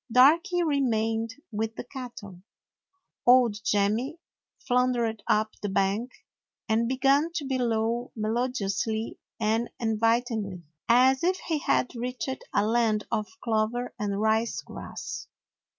Darky remained with the cattle. Old Jemmy floundered up the bank and began to bellow melodiously and invitingly, as if he had reached a land of clover and rice grass.